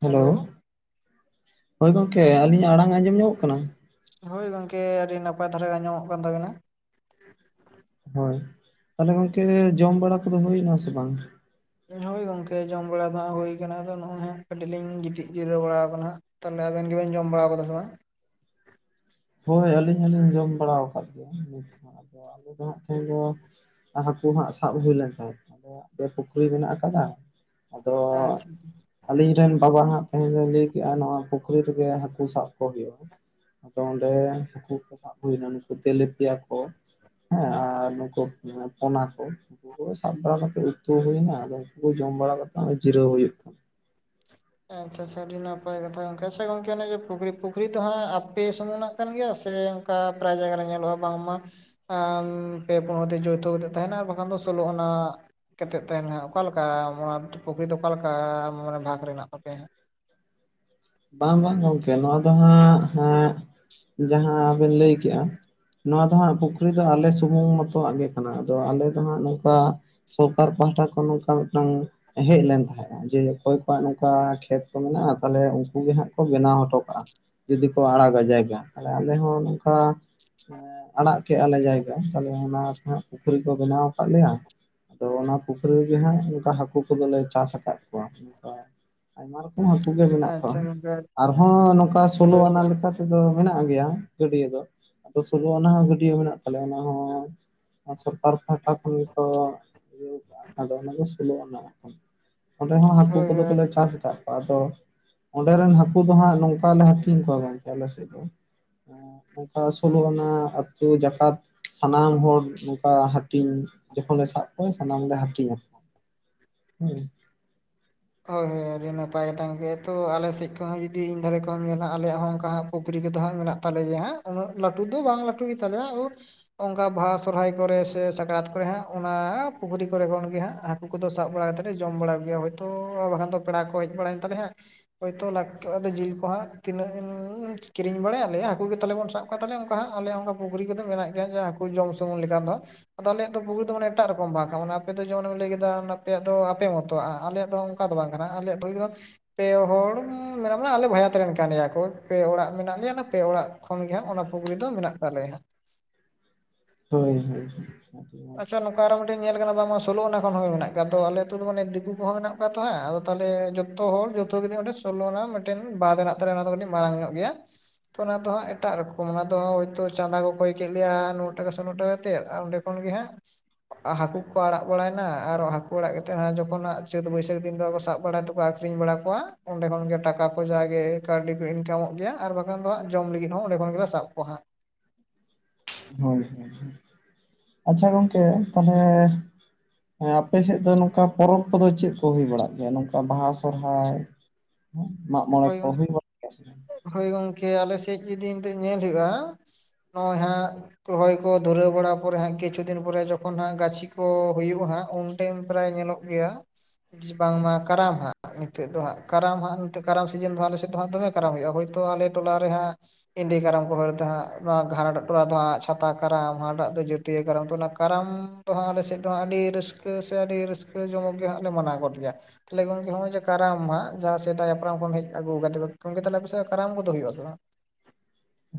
Hello ᱦᱳᱭ ᱜᱚᱝᱠᱮ ᱟᱹᱞᱤᱧᱟᱜ ᱟᱲᱟᱝ ᱟᱸᱡᱚᱢ ᱧᱟᱢᱚᱜ ᱠᱟᱱᱟ? ᱦᱳᱭ ᱜᱚᱝᱠᱮ ᱟᱹᱰᱤ ᱱᱟᱯᱟᱭ ᱫᱷᱟᱨᱟ ᱜᱮ ᱟᱸᱡᱚᱢᱚᱜ ᱠᱟᱱ ᱛᱟᱵᱤᱱᱟ᱾ ᱦᱳᱭ ᱛᱟᱦᱚᱞᱮ ᱜᱚᱝᱠᱮ ᱡᱚᱢ ᱵᱟᱲᱟ ᱠᱚᱫᱚ ᱦᱩᱭ ᱮᱱᱟ ᱥᱮ ᱵᱟᱝ? ᱦᱳᱭ ᱜᱚᱝᱠᱮ ᱡᱚᱢ ᱵᱟᱲᱟ ᱫᱚ ᱦᱟᱸᱜ ᱦᱩᱭ ᱠᱟᱱᱟ ᱟᱫᱚ ᱱᱚᱜᱼᱚᱭ ᱦᱟᱸᱜ ᱠᱟᱹᱴᱤᱡ ᱞᱤᱧ ᱜᱤᱛᱤᱡ ᱡᱤᱨᱟᱹᱣ ᱵᱟᱲᱟ ᱟᱠᱟᱱᱟ ᱦᱟᱸᱜ᱾ ᱛᱟᱦᱚᱞᱮ ᱟᱵᱮᱱ ᱜᱮᱵᱮᱱ ᱡᱚᱢ ᱵᱟᱲᱟ ᱟᱠᱟᱫᱟ ᱥᱮ ᱵᱟᱝ? ᱦᱳᱭ ᱟᱹᱞᱤᱧ ᱦᱚᱞᱤᱧ ᱡᱚᱢ ᱵᱟᱲᱟ ᱟᱠᱟᱫ ᱜᱮᱭᱟ ᱱᱤᱛ ᱦᱚᱸ᱾ ᱟᱞᱮ ᱫᱚ ᱦᱟᱸᱜ ᱫᱚ ᱛᱮᱦᱮᱧ ᱫᱚ ᱦᱟᱹᱠᱩ ᱦᱟᱸᱜ ᱥᱟᱵ ᱦᱩᱭ ᱞᱮᱱ ᱛᱟᱦᱮᱫ᱾ ᱫᱚ ᱯᱮ ᱯᱩᱠᱷᱨᱤ ᱢᱮᱱᱟᱜ ᱟᱠᱟᱫᱟ ᱟᱫᱚ ᱟᱪᱪᱷᱟ ᱦᱩᱸ ᱟᱞᱤᱧ ᱨᱮᱱ ᱵᱟᱵᱟ ᱦᱟᱸᱜ ᱛᱮᱦᱮᱧ ᱫᱚᱧ ᱞᱟᱹᱭ ᱠᱮᱜᱼᱟ ᱱᱚᱣᱟ ᱯᱩᱠᱷᱨᱤ ᱨᱮᱜᱮ ᱦᱟᱠᱩ ᱥᱟᱵ ᱠᱚ ᱦᱩᱭᱩᱜᱼᱟ᱾ ᱛᱚ ᱚᱸᱰᱮ ᱦᱟᱹᱠᱩ ᱠᱚ ᱥᱟᱵ ᱦᱩᱭ ᱮᱱᱟ ᱱᱩᱠᱩ ᱛᱮᱞᱮ ᱯᱤᱭᱟ ᱠᱚ, ᱦᱮᱸ ᱟᱨ ᱱᱩᱠᱩ ᱟᱸ ᱯᱚᱱᱟ ᱠᱚ᱾ ᱩᱱᱠᱩ ᱥᱟᱵ ᱵᱟᱲᱟ ᱠᱟᱛᱮᱫ ᱩᱛᱩ ᱦᱩᱭᱱᱟ, ᱟᱫᱚ ᱩᱱᱠᱩ ᱡᱚᱢ ᱵᱟᱲᱟ ᱠᱟᱛᱮᱫ ᱦᱚᱜ-ᱚᱭ ᱡᱤᱨᱟᱹᱣ ᱦᱩᱭᱩᱜ ᱠᱟᱱᱟ᱾ ᱟᱪᱪᱷᱟ ᱟᱪᱪᱷᱟ ᱟᱹᱰᱤ ᱱᱟᱯᱟᱭ ᱠᱟᱛᱷᱟ, ᱜᱚᱝᱠᱮ ᱟᱪᱪᱷᱟ ᱜᱚᱝᱠᱮ ᱚᱱᱮ ᱡᱮ ᱯᱩᱠᱷᱨᱤ ᱯᱩᱠᱷᱨᱤ ᱫᱚ ᱦᱟᱸᱜ ᱟᱯᱮ ᱥᱩᱢᱩᱝ ᱱᱟᱜ ᱠᱟᱱ ᱜᱮᱭᱟ ᱥᱮ ᱚᱱᱠᱟ ᱯᱮᱨᱟᱭ ᱡᱟᱭᱜᱟ ᱨᱮ ᱧᱮᱞᱚᱜ ᱟ ᱵᱟᱝᱢᱟ ᱮᱸ ᱯᱮ ᱯᱳᱱ ᱦᱚᱲ ᱛᱮ ᱡᱳᱭᱛᱷᱚ ᱠᱟᱛᱮ ᱛᱟᱦᱮᱱᱟ ᱟᱨ ᱵᱟᱝ ᱠᱷᱟᱱ ᱫᱚ ᱥᱳᱞᱳ ᱟᱱᱟ ᱠᱟᱛᱮᱫ ᱛᱟᱦᱮᱱᱟ ᱚᱠᱟ ᱞᱮᱠᱟ ᱚᱱᱟ ᱯᱩᱠᱷᱨᱤ ᱫᱚ ᱚᱠᱟ ᱞᱮᱠᱟ ᱢᱟᱱᱮ ᱵᱷᱟᱜᱽ ᱨᱮᱱᱟᱜ ᱟᱯᱮ ᱦᱟᱸᱜ ᱵᱟᱝ ᱵᱟᱝ ᱜᱚᱝᱠᱮ ᱱᱚᱣᱟ ᱫᱚ ᱦᱟᱸᱜ ᱡᱟᱦᱟᱸ ᱵᱤᱱ ᱞᱟᱹᱭ ᱠᱮᱜᱼᱟ᱾ ᱱᱚᱣᱟ ᱫᱚ ᱦᱟᱸᱜ ᱯᱩᱠᱷᱨᱤ ᱫᱚ ᱟᱞᱮ ᱥᱩᱢᱩᱝ ᱢᱚᱛᱚ ᱣᱟᱜ ᱜᱮ ᱠᱟᱱᱟ, ᱟᱫᱚ ᱟᱞᱮ ᱫᱚ ᱦᱟᱸᱜ ᱱᱚᱝᱠᱟ ᱥᱚᱨᱠᱟᱨ ᱯᱟᱦᱟᱴᱟ ᱠᱷᱚᱱ ᱱᱚᱝᱠᱟ ᱢᱤᱫᱴᱟᱝ ᱦᱮᱡ ᱞᱮᱱ ᱛᱟᱦᱮᱸᱫᱼᱟ ᱡᱮ ᱚᱠᱚᱭ ᱠᱚᱣᱟᱜ ᱱᱚᱝᱠᱟ ᱠᱷᱮᱛ ᱠᱚ ᱢᱮᱱᱟᱜᱼᱟ, ᱛᱟᱦᱚᱞᱮ ᱩᱱᱠᱩ ᱜᱮ ᱦᱟᱸᱜ ᱠᱚ ᱵᱮᱱᱟᱣ ᱦᱚᱴᱚ ᱠᱟᱜᱼᱟ᱾ ᱡᱩᱫᱤ ᱠᱚ ᱟᱲᱟᱜᱟ ᱡᱟᱭᱜᱟ ᱛᱟᱦᱚᱞᱮ ᱟᱞᱮ ᱦᱚᱸ ᱱᱚᱝᱠᱟ ᱟᱲᱟᱜ ᱠᱮᱜ ᱟ ᱞᱮ ᱡᱟᱭᱜᱟ, ᱛᱟᱦᱚᱞᱮ ᱚᱱᱟ ᱨᱮᱱᱟᱜ ᱯᱩᱠᱷᱨᱤ ᱠᱚ ᱵᱮᱱᱟᱣ ᱟᱠᱟᱫ ᱞᱮᱭᱟ᱾ ᱟᱫᱚ ᱚᱱᱟ ᱯᱩᱠᱷᱨᱤ ᱨᱮᱜᱮ ᱦᱟᱸᱜ ᱚᱱᱠᱟ ᱦᱟᱹᱠᱩ ᱠᱚᱫᱚ ᱞᱮ ᱪᱟᱥ ᱟᱠᱟᱫ ᱠᱚᱣᱟ᱾ ᱚᱱᱠᱟ ᱟᱭᱢᱟ ᱨᱚᱠᱚᱢ ᱦᱟᱹᱠᱩ ᱜᱮ ᱢᱮᱱᱟᱜ ᱠᱚᱣᱟ, ᱟᱪᱪᱷᱟ ᱜᱚᱝᱠᱮ ᱟᱨᱦᱚᱸ ᱱᱚᱝᱠᱟ ᱥᱳᱞᱳ ᱦᱳᱭ ᱟᱱᱟ ᱞᱮᱠᱟ ᱛᱮ ᱫᱚ ᱢᱮᱱᱟᱜ ᱜᱮᱭᱟ ᱜᱟᱹᱰᱤᱭᱟᱹ ᱫᱚ, ᱟᱫᱚ ᱥᱳᱞᱳ ᱚᱱᱟ ᱦᱚᱸ ᱜᱟᱹᱰᱤᱭᱟᱹ ᱢᱮᱱᱟᱜ ᱛᱟᱞᱮᱭᱟ ᱚᱱᱟ ᱦᱚᱸ, ᱵᱟᱨ ᱯᱟᱦᱟᱴᱟ ᱠᱷᱚᱱ ᱜᱮᱛᱚ ᱤᱭᱟᱹ ᱠᱟᱜ ᱟᱫᱚ ᱱᱩᱠᱩ ᱥᱳᱞᱳ ᱟᱱᱟ᱾ ᱚᱸᱰᱮ ᱦᱚᱸ ᱦᱟᱹᱠᱩ ᱦᱳᱭ ᱦᱳᱭ ᱠᱚᱫᱚ ᱟᱹᱰᱤ ᱠᱚᱞᱮ ᱪᱟᱥ ᱠᱟᱜ ᱠᱚᱣᱟ, ᱟᱫᱚ ᱚᱸᱰᱮ ᱨᱮᱱ ᱦᱟᱹᱠᱩ ᱫᱚ ᱦᱟᱸᱜ ᱱᱚᱝᱠᱟ ᱞᱮ ᱦᱟᱹᱴᱤᱧ ᱠᱚᱣᱟ ᱜᱚᱝᱠᱮ ᱟᱞᱮ ᱥᱮᱫ ᱫᱚ᱾ ᱱᱚᱝᱠᱟ ᱥᱳᱞᱳ ᱟᱱᱟ ᱟᱹᱛᱩ ᱡᱟᱠᱟᱛ ᱥᱟᱱᱟᱢ ᱦᱚᱲ ᱱᱚᱝᱠᱟ ᱦᱟᱠ ᱴᱤᱧ ᱡᱚᱠᱷᱚᱱ ᱞᱮ ᱥᱟᱵ ᱠᱚᱣᱟ ᱥᱟᱱᱟᱢ ᱜᱮ ᱦᱟᱹᱴᱤᱧ ᱟᱠᱚ ᱦᱩᱸ ᱦᱳᱭ ᱦᱳᱭ ᱟᱹᱰᱤ ᱱᱟᱯᱟᱭ ᱜᱮᱛᱟᱝ ᱜᱮ ᱛᱚ ᱟᱞᱮ ᱥᱮᱫ ᱠᱷᱚᱡ ᱦᱚᱸ ᱡᱩᱫᱤ ᱤᱧ ᱫᱷᱟᱨᱮ ᱠᱷᱚᱡᱽ ᱦᱚᱸ ᱮᱢ ᱧᱮᱞᱟ ᱟᱞᱮᱭᱟᱜ ᱦᱚᱸ ᱚᱱᱠᱟ ᱦᱟᱸᱜ ᱯᱩᱠᱷᱨᱤ ᱠᱚᱫᱚ ᱦᱟᱸᱜ ᱢᱮᱱᱟᱜ ᱛᱟᱞᱮ ᱜᱮᱭᱟ, ᱦᱟᱸᱜ ᱩᱱᱟᱹᱜ ᱞᱟᱹᱴᱩ ᱫᱚ ᱵᱟᱝ ᱞᱟᱹᱴᱩ ᱜᱮ ᱛᱟᱞᱮᱭᱟ ᱳᱭ ᱚᱱᱠᱟ ᱵᱟᱦᱟ ᱥᱚᱦᱚᱨᱟᱭ ᱠᱚᱨᱮ ᱥᱮ ᱥᱟᱠᱨᱟᱛ ᱠᱚᱨᱮ ᱦᱟᱸᱜ ᱚᱱᱟ ᱯᱩᱠᱷᱨᱤ ᱠᱚᱨᱮ ᱠᱷᱚᱱ ᱜᱮ ᱦᱟᱸᱜ ᱦᱟᱠ ᱩᱱᱠᱩ ᱫᱚ ᱥᱟᱵ ᱵᱟᱲᱟ ᱠᱟᱛᱮᱫ ᱞᱮ ᱡᱚᱢ ᱵᱟᱲᱟ ᱠᱚᱜᱮᱭᱟ, ᱦᱳᱭᱛᱳ ᱵᱟᱝᱠᱷᱟᱱ ᱫᱚ ᱯᱮᱲᱟ ᱠᱚ ᱠᱚ ᱦᱮᱡ ᱵᱟᱲᱟᱭᱮᱱ ᱛᱟᱞᱮᱭᱟ ᱦᱟᱸᱜ ᱦᱳᱭᱛᱚ ᱞᱟᱠ ᱟᱫᱚ ᱡᱤᱞ ᱠᱚ ᱦᱟᱸ ᱛᱤᱱᱟᱹᱜ ᱮᱢ ᱠᱤᱨᱤᱧ ᱵᱟᱲᱟᱭᱟ ᱞᱟᱹᱭᱟ ᱟᱭ ᱦᱟᱹᱠᱩ ᱜᱮ ᱛᱟᱦᱚᱞᱮ ᱵᱚᱱ ᱥᱟᱵ ᱚᱱᱠᱟ ᱛᱟᱦᱚᱞᱮ ᱚᱱᱠᱟ ᱦᱟᱸᱜ ᱟᱞᱮ ᱚᱱᱠᱟ ᱯᱩᱠᱷᱨᱤ ᱠᱚᱫᱚ ᱢᱮᱱᱟᱜ ᱜᱮᱭᱟ ᱡᱮ ᱦᱟᱹᱠᱩ ᱡᱚᱢ ᱥᱩᱢᱩᱝ ᱞᱮᱠᱟ ᱫᱚ᱾ ᱟᱫᱚ ᱟᱞᱮᱭᱟᱜ ᱫᱚ ᱯᱩᱠᱷᱨᱤ ᱫᱚ ᱢᱟᱱᱮ ᱮᱴᱟᱜ ᱨᱚᱠᱚᱢ ᱵᱟᱜ ᱚᱱᱮ ᱟᱯᱮ ᱫᱚ ᱡᱮᱢᱚᱱ ᱮᱢ ᱞᱟᱹᱭ ᱠᱮᱫᱟ ᱟᱯᱮᱭᱟᱜ ᱫᱚ ᱟᱯᱮ ᱢᱚᱛᱚ ᱟᱨ ᱟᱞᱮᱭᱟᱜ ᱫᱚ ᱚᱱᱠᱟ ᱫᱚ ᱵᱟᱝ ᱠᱟᱱᱟ ᱟᱞᱮᱭᱟᱜ [inaudible] ᱯᱮ ᱦᱚᱲ ᱢᱮᱱᱟᱜ ᱢᱟᱱᱮ ᱟᱞᱮ ᱵᱷᱟᱭᱟᱹᱛ ᱨᱮᱱ ᱠᱟᱱ ᱜᱮᱭᱟ ᱠᱚ ᱯᱮ ᱚᱲᱟᱜ ᱢᱮᱱᱟᱜ ᱞᱮᱭᱟ ᱚᱱᱟ ᱯᱮ ᱚᱲᱟᱜ ᱠᱷᱚᱱ ᱜᱮ ᱦᱟᱸᱜ ᱚᱱᱟ ᱯᱩᱠᱷᱨᱤ ᱫᱚ ᱢᱮᱱᱟᱜ ᱛᱟᱞᱮᱭᱟ᱾ ᱦᱳᱭ ᱦᱳᱭ᱾ ᱟᱪᱪᱷᱟ ᱱᱚᱝᱠᱟ ᱟᱨᱚ ᱢᱤᱫᱴᱮᱱ ᱧᱮᱞ ᱠᱟᱱᱟ ᱵᱟᱝᱢᱟ ᱥᱳᱞᱳ ᱟᱱᱟ ᱠᱷᱚᱱ ᱦᱚᱸ ᱢᱮᱱᱟᱜ ᱟᱠᱟᱫ ᱟᱞᱮ ᱟᱛᱳ ᱫᱚ ᱢᱟᱱᱮ ᱫᱤᱠᱩ ᱠᱚᱦᱚᱸ ᱢᱮᱱᱟᱜ ᱛᱚ ᱦᱮᱸ ᱟᱫᱚ ᱛᱟᱦᱚᱞᱮ ᱡᱚᱛᱚ ᱦᱚᱲ ᱡᱚᱛᱚ ᱜᱮᱫᱚ ᱚᱸᱴᱮ ᱥᱳᱞᱳ ᱟᱱᱟ ᱢᱤᱫᱴᱮᱱ ᱵᱟᱸᱫ ᱨᱮᱱᱟᱜ ᱛᱟᱞᱮ ᱚᱱᱟ ᱫᱚ ᱠᱟᱹᱴᱤᱡ ᱢᱟᱨᱟᱝ ᱧᱚᱜ ᱜᱮᱭᱟ᱾ ᱛᱚ ᱚᱱᱟ ᱫᱚᱦᱟᱜ ᱮᱴᱟᱜ ᱨᱚᱠᱚᱢ ᱚᱱᱟ ᱫᱚ ᱦᱳᱭᱛᱚ ᱪᱟᱸᱫᱟ ᱠᱚ ᱠᱚᱭ ᱠᱮᱫ ᱞᱮᱭᱟ᱾ [inaudible] ᱴᱟᱠᱟ ᱠᱟᱛᱮᱜ ᱟᱨ ᱚᱸᱰᱮ ᱠᱷᱚᱱ ᱜᱮ ᱦᱟᱸᱜ ᱦᱟᱹᱠᱩ ᱠᱚ ᱟᱲᱟᱜ ᱵᱟᱲᱟᱭᱱᱟ ᱟᱨ ᱦᱟᱠᱼᱼ ᱚᱲᱟᱜ ᱠᱟᱛᱮᱜ ᱦᱟᱸᱜ ᱡᱚᱠᱷᱚᱱᱟᱜ ᱪᱟᱹᱛ ᱵᱟᱹᱭᱥᱟᱼᱼ [unintelligible] ᱫᱚ ᱥᱟᱵ ᱵᱟᱲᱟ ᱛᱮᱠᱚ ᱟᱠᱷᱨᱤᱧ ᱵᱟᱲᱟ ᱠᱚᱣᱟ, ᱚᱸᱰᱮ ᱠᱷᱚᱱ ᱜᱮ ᱴᱟᱠᱟ ᱠᱚ ᱡᱟᱜᱮ ᱠᱟᱹᱣᱰᱤ ᱠᱚ ᱤᱱᱠᱟᱢᱚᱜ ᱜᱮᱭᱟ ᱟᱨ ᱟᱱ ᱫᱚ ᱦᱟᱸᱜ ᱡᱚᱢ ᱞᱟᱹᱜᱤᱫ ᱦᱚᱸ ᱚᱸᱰᱮ ᱠᱷᱚᱱ ᱜᱮᱞᱮ ᱥᱟᱵ ᱠᱚᱣᱟ ᱦᱟᱸᱜ᱾ ᱦᱳᱭ ᱦᱳᱭ, ᱟᱪᱪᱷᱟ ᱜᱚᱢᱠᱮ ᱛᱟᱞᱦᱮ ᱦᱮᱸ ᱟᱯᱮᱥᱮᱫ ᱫᱚ ᱱᱚᱝᱠᱟ ᱯᱚᱨᱚᱵᱽ ᱠᱚᱫᱚ ᱪᱮᱫ ᱠᱚ ᱦᱩᱭ ᱵᱟᱲᱟᱜ ᱜᱮᱭᱟ? ᱱᱚᱝᱠᱟ ᱵᱟᱦᱟ ᱥᱚᱨᱦᱟᱭ᱾ ᱢᱟᱜ ᱢᱚᱬᱮ ᱦᱳᱭ ᱠᱚ ᱦᱩᱭ ᱵᱟᱲ ᱥᱮ ᱵᱟᱝ? ᱦᱳᱭ ᱜᱚᱝᱠᱮ ᱟᱞᱮᱥᱮᱫ ᱡᱩᱫᱤ ᱱᱤᱛᱚᱜ ᱧᱮᱞ ᱦᱩᱭᱩᱜᱼᱟ ᱱᱚᱜᱼᱚᱭ ᱦᱟᱸᱜ ᱨᱚᱦᱚᱭ ᱠᱚ ᱫᱷᱩᱨᱟᱹᱣ ᱵᱟᱲᱟ ᱯᱚᱨᱮ ᱦᱟᱸᱜ, ᱠᱤᱪᱷᱩ ᱫᱤᱱ ᱯᱚᱨᱮ ᱡᱚᱠᱷᱚᱱ ᱦᱟᱸᱜ ᱜᱟᱪᱷᱤ ᱠᱚ ᱦᱩᱭᱩᱜ ᱟᱦᱟᱸᱜ ᱩᱱ ᱴᱟᱭᱤᱢ ᱯᱨᱮᱭ ᱧᱮᱞᱚᱜᱼᱼ ᱜᱮᱭᱟ ᱵᱟᱝᱢᱟ ᱠᱟᱨᱟᱢ ᱦᱟᱸᱜ ᱱᱤᱛᱚᱜ ᱫᱚ ᱦᱟᱸᱜ ᱠᱟᱨᱟᱢ ᱦᱟᱸᱜ ᱠᱟᱨᱟᱢ ᱥᱤᱡᱮᱱ ᱫᱚ ᱟᱞᱮ ᱥᱮᱫ ᱫᱚᱦᱟᱸᱜ ᱫᱚᱢᱮ ᱠᱟᱨᱟᱢ ᱦᱩᱭᱩᱜᱼᱟ᱾ ᱦᱳᱭᱛᱳ ᱟᱞᱮ ᱴᱚᱞᱟ ᱨᱮᱦᱟᱸᱜ ᱤᱱᱫᱤ ᱠᱟᱨᱟᱢ ᱠᱚ ᱦᱚᱨᱫᱟ ᱦᱟᱸᱜ ᱱᱚᱣᱟ ᱦᱟᱜ ᱴᱟᱜ ᱴᱚᱞᱟ ᱫᱚ ᱦᱟᱸᱜ ᱪᱷᱟᱛᱟ ᱠᱟᱨᱟᱢ ᱦᱟᱸᱴᱟᱜ ᱫᱚ ᱡᱟᱹᱛᱭᱟᱹᱨ ᱠᱟᱨᱟᱢ ᱛᱚ ᱚᱱᱟ ᱠᱟᱨᱟᱢ ᱟᱞᱮᱥᱮᱫ ᱫᱚᱟᱸᱜ ᱟᱹᱰᱤ ᱨᱟᱹᱥᱠᱟᱹ ᱥᱮ ᱟᱹᱰᱤ ᱨᱟᱹᱥᱠᱟᱹ ᱡᱚᱢᱚᱠ ᱜᱮ ᱦᱟᱸᱜ ᱞᱮ ᱢᱟᱱᱟᱣ ᱜᱚᱫ ᱞᱮᱭᱟ᱾ ᱛᱟᱦᱚᱞᱮ ᱜᱚᱝᱠᱮ ᱦᱚᱸᱜᱼᱚᱭ ᱡᱮ ᱠᱟᱨᱟᱢ ᱦᱟᱸᱜ ᱡᱟᱦᱟᱸ ᱥᱮᱫᱟᱭᱼᱼ [unintelligible] ᱠᱚᱢ ᱦᱮᱡ ᱟᱹᱜᱩᱣ ᱠᱟᱫᱮ ᱠᱚ ᱜᱚᱝᱠᱮ ᱛᱟᱞᱦᱮ ᱟᱯᱮ ᱥᱮ ᱠᱟᱨᱟᱢ ᱠᱚ ᱫᱚ ᱦᱩᱭᱩᱜᱼᱟ ᱥᱮ ᱵᱟᱝ?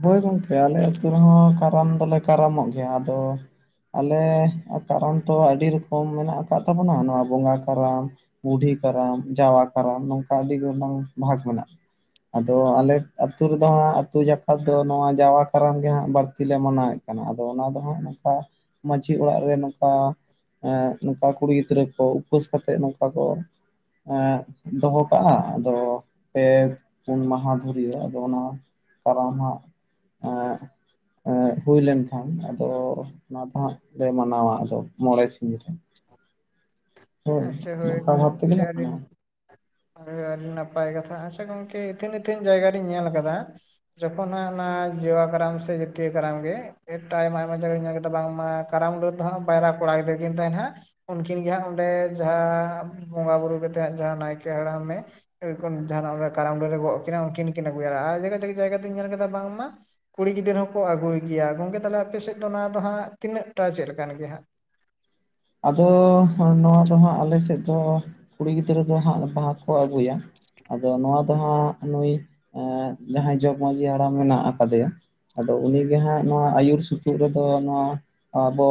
ᱦᱳᱭ ᱜᱚᱝᱠᱮ ᱟᱞᱮ ᱟᱹᱛᱩ ᱨᱮᱦᱚᱸ ᱠᱟᱨᱟᱢ ᱫᱚᱞᱮ ᱠᱟᱨᱟᱢᱚᱜ ᱜᱮᱭᱟ ᱟᱫᱚ ᱟᱞᱮ ᱠᱟᱨᱟᱢ ᱛᱚ ᱟᱹᱰᱤ ᱨᱚᱠᱚᱢ ᱢᱮᱱᱟᱜ ᱟᱠᱟᱫ ᱛᱟᱵᱚᱱᱟ ᱱᱚᱣᱟ ᱵᱚᱸᱜᱟ ᱠᱟᱨᱟᱢ᱾ ᱵᱩᱰᱷᱤ ᱠᱟᱨᱟᱢ, ᱡᱟᱣᱟ ᱠᱟᱨᱟᱢ, ᱱᱚᱝᱠᱟ ᱟᱹᱰᱤ ᱜᱚᱴᱟᱝ ᱵᱷᱟᱜᱽ ᱢᱮᱱᱟᱜᱼᱟ᱾ ᱟᱫᱚ ᱟᱞᱮ ᱟᱹᱛᱩ ᱨᱮᱫᱚ ᱦᱟᱸᱜ ᱟᱹᱛᱩ ᱡᱟᱼᱼ ᱟᱫᱚ ᱱᱚᱣᱟ ᱡᱟᱣᱟ ᱠᱟᱨᱟᱢ ᱜᱮ ᱦᱟᱸᱜ ᱵᱟᱹᱲᱛᱤ ᱞᱮ ᱢᱟᱱᱟᱣᱮᱫ ᱠᱟᱱᱟ ᱟᱫᱚ ᱚᱱᱟ ᱫᱚ ᱦᱟᱸᱜ ᱱᱚᱝᱠᱟ ᱢᱟᱺᱡᱷᱤ ᱚᱲᱟᱜ ᱨᱮ ᱱᱚᱝᱠᱟ, ᱮᱸᱜ ᱱᱚᱝᱠᱟ ᱠᱩᱲᱤ ᱜᱤᱫᱽᱨᱟᱹ ᱠᱚ ᱩᱯᱟᱹᱥ ᱠᱟᱛᱮᱫ ᱱᱚᱝᱠᱟ ᱠᱚ, ᱮᱸᱜ ᱫᱚᱦᱚ ᱠᱟᱜᱼᱟ ᱟᱫᱚ ᱯᱮ ᱯᱩᱱ ᱢᱟᱦᱟ ᱫᱷᱚᱨᱤᱭᱟᱹ ᱟᱫᱚ ᱚᱱᱟ ᱠᱟᱨᱟᱢ ᱦᱟᱸᱜ ᱮᱸᱜ ᱮᱸᱜ ᱦᱩᱭ ᱞᱮᱱ ᱠᱷᱟᱱ ᱟᱫᱚ ᱚᱱᱟ ᱫᱚ ᱦᱟᱸᱜ ᱞᱮ ᱢᱟᱱᱟᱣᱟ ᱟᱫᱚ ᱢᱚᱬᱮ ᱥᱤᱧ ᱨᱮ᱾ ᱦᱳᱭ, ᱟᱪᱪᱷᱟ ᱦᱳᱭ ᱱᱚᱝᱠᱟ ᱵᱷᱟᱵᱽ ᱜᱚᱝᱠᱮ ᱛᱮᱜᱮᱞᱮ ᱟᱹᱰᱤ ᱢᱟᱱᱟᱣᱟ᱾ ᱟᱹᱰᱤ ᱱᱟᱯᱟᱭ ᱠᱟᱛᱷᱟ ᱟᱪᱪᱷᱟ ᱜᱚᱝᱠᱮ ᱤᱛᱷᱤᱱ ᱤᱛᱷᱤᱱ ᱡᱟᱭᱜᱟ ᱨᱤᱧ ᱧᱮᱞ ᱟᱠᱟᱫᱟ᱾ ᱡᱚᱠᱷᱚᱱ ᱦᱟᱸᱜ ᱚᱱᱟ ᱡᱚᱣᱟ ᱠᱟᱨᱟᱢ ᱥᱮ ᱡᱤᱛᱭᱟᱹ ᱠᱟᱨᱟᱢ ᱜᱮ ᱯᱷᱮᱴ ᱴᱟᱭᱚᱢ ᱟᱭᱢᱟ ᱡᱟᱜᱟ ᱨᱮᱧ ᱧᱮᱞ ᱠᱮᱫᱟ ᱵᱟᱝᱢᱟ ᱠᱟᱨᱟᱢ ᱨᱮ ᱫᱚᱦᱟᱸᱜ ᱯᱟᱭᱨᱟ ᱠᱚᱲᱟ ᱜᱤᱫᱨᱟᱹ ᱠᱤᱱ ᱛᱟᱦᱮᱸ ᱱᱟᱦᱟᱸᱜ᱾ ᱩᱱᱠᱤᱱ ᱜᱮ ᱦᱟᱸᱜ ᱚᱸᱰᱮ ᱡᱟᱦᱟᱸ ᱵᱚᱸᱜᱟ ᱵᱩᱨᱩ ᱠᱟᱛᱮᱜ ᱦᱟᱸᱜ ᱡᱟᱦᱟᱸ ᱱᱟᱭᱠᱮ ᱦᱟᱲᱟᱢ ᱢᱮ ᱮ ᱡᱟᱦᱟᱱᱟᱜ ᱠᱟᱨᱟᱢ ᱰᱟᱹᱨᱮ ᱜᱚᱜ ᱟᱹᱠᱤᱱᱟ ᱩᱱᱠᱤᱱ ᱠᱤᱱ ᱟᱹᱜᱩᱭᱟ ᱟᱨ ᱡᱟᱭᱜᱟ ᱜᱮ ᱡᱟᱭᱜᱟ ᱛᱮᱧ ᱧᱮᱞ ᱠᱟᱫᱟ ᱵᱟᱝᱢᱟ, ᱠᱩᱲᱤ ᱜᱤᱫᱟᱹᱨᱟᱹ ᱦᱚᱸᱠᱚ ᱟᱹᱜᱩᱭ ᱜᱮᱭᱟ ᱜᱚᱝᱠᱮ ᱛᱟᱦᱞᱮ ᱟᱯᱮᱥᱮᱫ ᱫᱚ ᱱᱚᱣᱟ ᱫᱚ ᱦᱟᱸᱜ ᱛᱤᱱᱟᱹᱜ ᱴᱟ ᱪᱮᱫ ᱞᱮᱠᱟᱱ ᱜᱮᱭᱟ ᱦᱟᱸᱜ? ᱟᱫᱚ ᱱᱚᱣᱟ ᱫᱚ ᱦᱟᱸᱜ ᱟᱞᱮ ᱥᱮᱫ ᱫᱚ ᱠᱩᱲᱤ ᱜᱤᱫᱽᱨᱟᱹ ᱫᱚ ᱦᱟᱸᱜ, ᱵᱟᱦᱟ ᱠᱚ ᱟᱹᱜᱩᱭᱟ ᱟᱫᱚ ᱱᱚᱣᱟ, ᱫᱚ ᱱᱩᱭ ᱮ ᱡᱟᱦᱟᱸᱭ ᱡᱚᱜᱽ ᱢᱟᱺᱡᱷᱤ ᱦᱟᱲᱟᱢ ᱢᱮᱱᱟᱜ ᱟᱠᱟᱫᱮᱭᱟ, ᱟᱫᱚ ᱩᱱᱤᱜᱮ ᱦᱟᱸᱜ ᱱᱚᱣᱟ ᱟᱹᱭᱩᱨ ᱥᱩᱛᱩᱜ ᱨᱮᱫᱚ ᱱᱚᱣᱟ ᱟᱵᱚ,